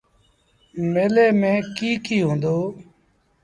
ميلي ميݩ ڪيٚ ڪيٚ هُݩدو۔